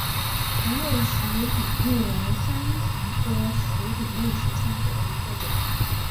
长萼石笔木为山茶科石笔木属下的一个种。